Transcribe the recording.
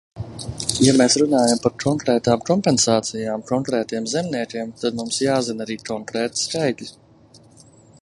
Ja mēs runājam par konkrētām kompensācijām konkrētiem zemniekiem, tad mums jāzina arī konkrēti skaitļi.